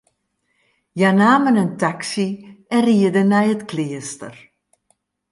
Hja namen in taksy en rieden nei it kleaster.